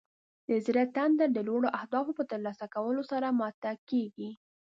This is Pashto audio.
د زړه تنده د لوړو اهدافو په ترلاسه کولو سره ماته کیږي.